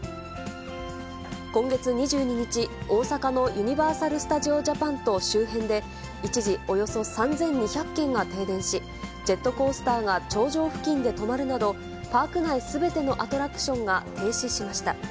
今月２２日、大阪のユニバーサル・スタジオ・ジャパンと周辺で、一時、およそ３２００軒が停電し、ジェットコースターが頂上付近で止まるなど、パーク内すべてのアトラクションが停止しました。